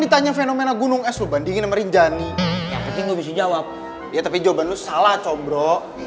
ditanya fenomena gunung es lo bandingin sama rinjani yang penting lu bisa jawab ya tapi jawaban lu salah combrok